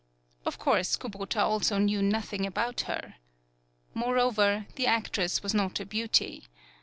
Of course, Kubota also knew nothing about her. Moreover, the actress was not a beauty.